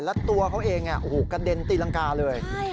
แล้วตัวเขาเองกระเด็นตีรังกาเลย